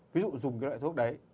ví dụ dùng cái loại thuốc đấy